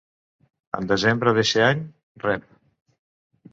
En desembre d'eixe any, Rev.